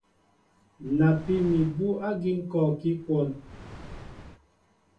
Napí mi abú ágí kɔɔkí kwón.